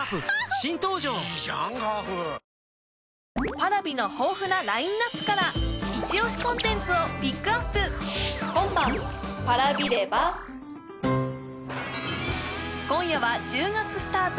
Ｐａｒａｖｉの豊富なラインナップから一押しコンテンツをピックアップ今夜は１０月スタート